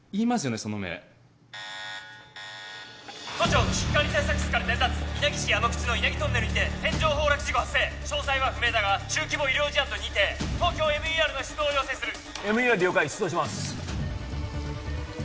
その目都庁危機管理対策室から伝達稲城市矢野口の稲城トンネルにて天井崩落事故発生詳細は不明だが中規模医療事案と認定ＴＯＫＹＯＭＥＲの出動を要請するＭＥＲ了解出動します